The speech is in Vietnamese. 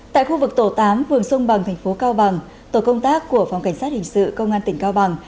tại khu vực tổ tám phường sông bằng thành phố cao bằng tổ công tác của phòng cảnh sát hình sự công an tỉnh cao bằng